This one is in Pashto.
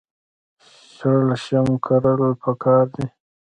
شړشم کرل پکار دي.